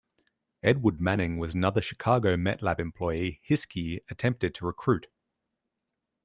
Edward Manning was another Chicago Met Lab employee Hiskey attempted to recruit.